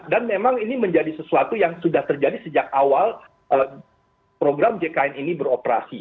dan memang ini menjadi sesuatu yang sudah terjadi sejak awal program jkn ini beroperasi